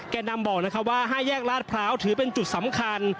แก่นำบอกนะครับว่า๕แยกลาดพร้าวถือเป็นจุดสำคัญ